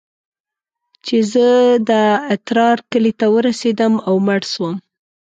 چې زه د اترار کلي ته ورسېدم او مړ سوم.